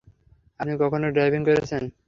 আপনি কখনো ডাইভিং করেছেন?